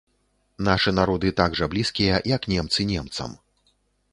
Нашы народы так жа блізкія, як немцы немцам.